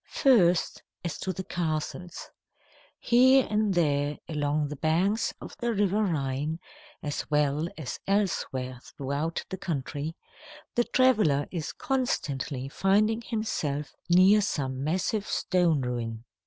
First, as to the castles. Here and there along the banks of the River Rhine, as well as elsewhere throughout the country, the traveller is constantly finding himself near some massive stone ruin.